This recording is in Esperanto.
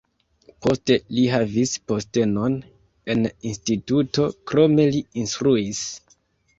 Poste li havis postenon en instituto, krome li instruis.